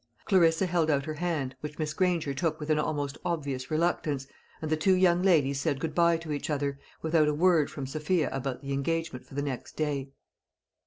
Clarissa held out her hand, which Miss Granger took with an almost obvious reluctance, and the two young ladies said "Good bye" to each other, without a word from Sophia about the engagement for the next day.